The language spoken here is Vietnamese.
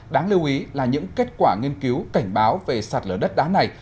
đáng lưu ý là những kết quả nghiên cứu cảnh báo về sạt lở đất đá này